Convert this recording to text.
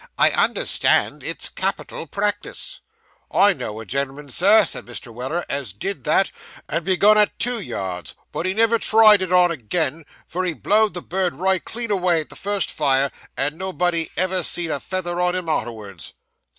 I understand it's capital practice.' 'I know a gen'l'man, Sir,' said Mr. Weller, 'as did that, and begun at two yards; but he never tried it on agin; for he blowed the bird right clean away at the first fire, and nobody ever seed a feather on him arterwards.